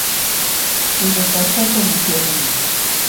Limapaaśhqaata musyaqlunmi.